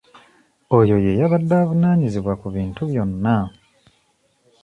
Oyo ye yabadde evunaanyizibwa ku bintu byonna.